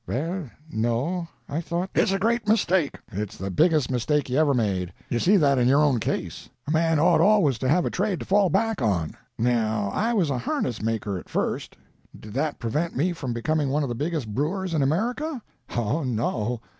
"Well, no—I thought—" "It's a great mistake. It's the biggest mistake you ever made. You see that in your own case. A man ought always to have a trade to fall back on. Now, I was harness maker at first. Did that prevent me from becoming one of the biggest brewers in America? Oh no.